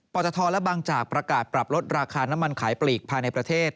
ตทและบางจากประกาศปรับลดราคาน้ำมันขายปลีกภายในประเทศ